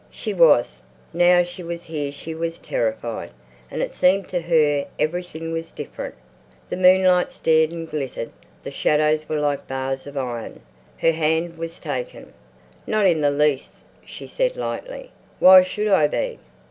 She was; now she was here she was terrified, and it seemed to her everything was different. The moonlight stared and glittered; the shadows were like bars of iron. Her hand was taken. "Not in the least," she said lightly. "Why should I be?"